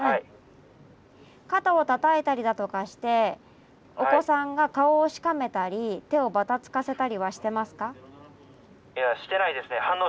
肩をたたいたりだとかしてお子さんが顔をしかめたり手をばたつかせたりはしてますか？